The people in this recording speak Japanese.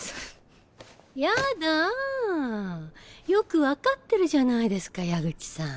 やだよく分かってるじゃないですか矢口さん。